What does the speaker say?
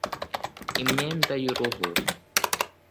imyenda y'uruhu